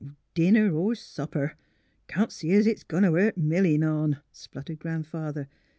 '' Dinner er supper, can't see's it's goin' t' hurt Milly none," spluttered Grandfather.